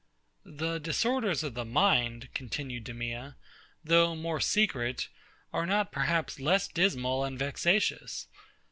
The disorders of the mind, continued DEMEA, though more secret, are not perhaps less dismal and vexatious.